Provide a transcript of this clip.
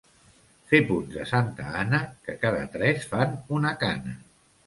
Fer punts de santa Anna, que cada tres fan una cana.